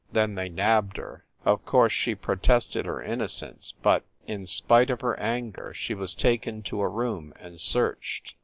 Then they nabbed her. Of course she pro tested her innocence, but in spite of her anger she was taken to a room and searched.